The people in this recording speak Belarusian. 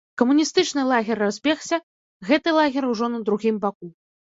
Камуністычны лагер разбегся, гэты лагер ужо на другім баку.